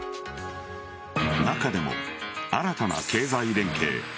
中でも、新たな経済連携